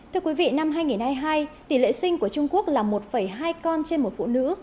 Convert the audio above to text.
thưa quý vị năm hai nghìn hai mươi hai tỷ lệ sinh của trung quốc là một hai con trên một phụ nữ